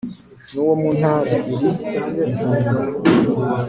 n'uwo mu ntara iri i mpunga